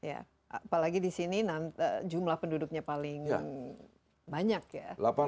apalagi di sini jumlah penduduknya paling banyak ya